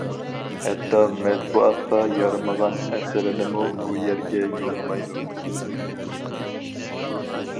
ھەتتا مەتبۇئاتقا يارىمىغان ئەسىرىنىمۇ بۇ يەرگە يوللىمايدۇ.